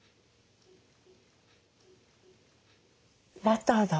バターだ。